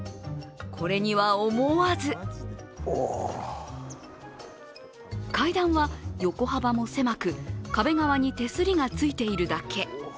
これには思わず階段は横幅も狭く、壁側に手すりがついているだけ。